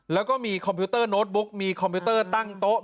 แล้วก็มีคอมพิวเตอร์โน้ตบุ๊กมีคอมพิวเตอร์ตั้งโต๊ะ